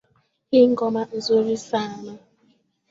Hii ngoma nzuri sana